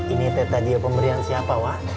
ini peta dia pemberian siapa wah